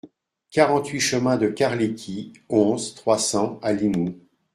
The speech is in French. quarante-huit chemin de Carliqui, onze, trois cents à Limoux